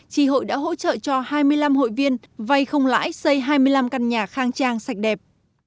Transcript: chị hội đã hỗ trợ cho hai mươi năm hội viên vay không lãi xây hai mươi năm căn nhà khang trang sạch đẹp